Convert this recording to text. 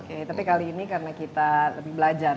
oke tapi kali ini karena kita lebih belajar